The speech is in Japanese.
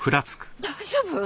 大丈夫？